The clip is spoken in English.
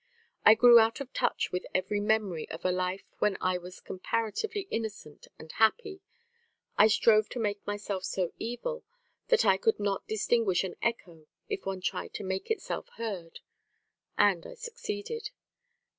I grew out of touch with every memory of a life when I was comparatively innocent and happy. I strove to make myself so evil that I could not distinguish an echo if one tried to make itself heard; and I succeeded.